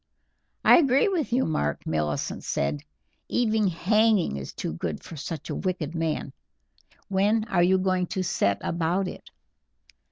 "I agree with you, Mark," Millicent said; "even hanging is too good for such a wicked man. When are you going to set about it?"